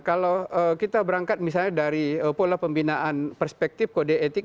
kalau kita berangkat misalnya dari pola pembinaan perspektif kode etik